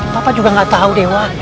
papa juga gak tau dewa